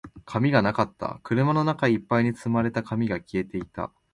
紙がなかった。車の中一杯に積まれた紙が消えていた。